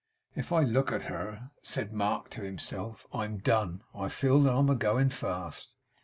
'If I look at her,' said Mark to himself, 'I'm done. I feel that I'm a going fast.